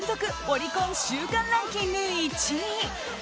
オリコン週間ランキング１位。